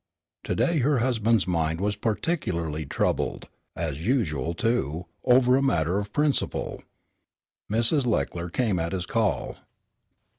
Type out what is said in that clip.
To day her husband's mind was particularly troubled, as usual, too, over a matter of principle. Mrs. Leckler came at his call.